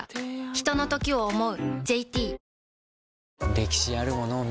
ひとのときを、想う。